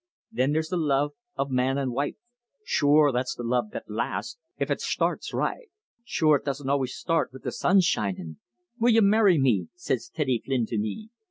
Thin there's the love o' man an' wife. Shure, that's the love that lasts, if it shtarts right. Shure, it doesn't always shtart wid the sun shinin.' 'Will ye marry me?' says Teddy Flynn to me.